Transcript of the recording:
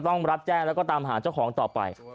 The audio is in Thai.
ต้องรับแจ้งแล้วก็ตามหาเจ้าของต่อไป